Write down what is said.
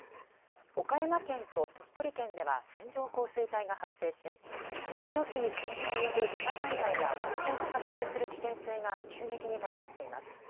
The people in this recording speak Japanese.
岡山県と鳥取県では線状降水帯が発生し命に危険が及ぶ土砂災害や洪水が発生する危険性が急激に高まっています。